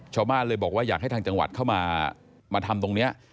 ชาวบ้านเลยบอกว่าอยากให้ทางจังหวัดเข้ามาทำตรงนี้